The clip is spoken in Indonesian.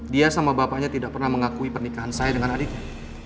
dia sama bapaknya tidak pernah mengakui pernikahan saya dengan adiknya